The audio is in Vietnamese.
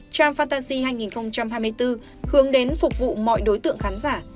tram fantasy hai nghìn hai mươi bốn hướng đến phục vụ mọi đối tượng khán giả